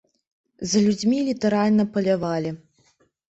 За людзьмі літаральна палявалі.